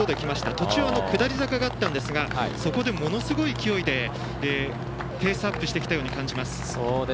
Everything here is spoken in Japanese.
途中、下り坂があったんですがそこでものすごい勢いでペースアップしてきたように感じます。